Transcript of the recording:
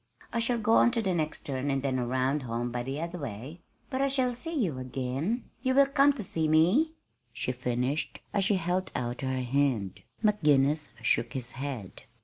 "I shall go on to the next turn, and then around home by the other way.... But I shall see you soon again? you will come to see me?" she finished, as she held out her hand. McGinnis shook his head.